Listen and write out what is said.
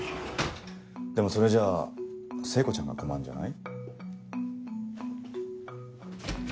でもそれじゃあ聖子ちゃんが困るんじゃない？